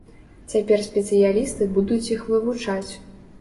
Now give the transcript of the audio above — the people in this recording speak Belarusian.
Цяпер спецыялісты будуць іх вывучаць.